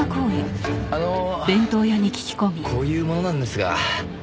あのこういう者なんですが。